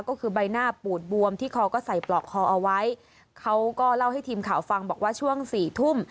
ก็คือใบหน้าปูดบวมที่คอก็ใส่ปลอกคอเอาไว้เขาก็เล่าให้ทีมข่าวฟังบอกว่าช่วงสี่ทุ่ม